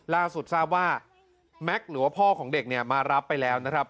ล่าสุดทราบว่าแม็กซ์หรือว่าพ่อของเด็กเนี่ยมารับไปแล้วนะครับ